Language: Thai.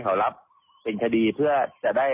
เพราะว่าตอนแรกมีการพูดถึงนิติกรคือฝ่ายกฎหมาย